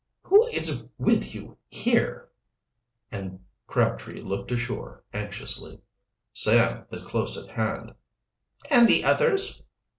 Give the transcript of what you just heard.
"Who is with you here?" And Crabtree looked ashore anxiously. "Sam is close at hand." "And the others?"